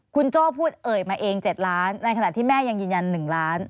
คุณโจ้พูดเอ่ยมาเอง๗ล้านในขณะที่แม่ยังยืนยัน๑ล้าน